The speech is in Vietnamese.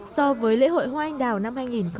so với lễ hội hoa anh đào năm hai nghìn một mươi tám